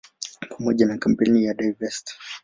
Pamoja na kampeni ya "Divest!